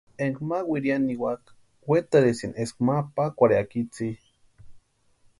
Énka ma wiriani niwaka wetarhisïni eska ma pakwarhiaka itsï.